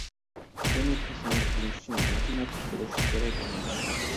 بۇنى تەسەۋۋۇر قىلىش ئۈچۈن ماتېماتىك بولۇش كېرەك ئەمەس.